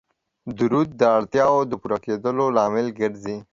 درود د اړتیاو د پوره کیدلو لامل ګرځي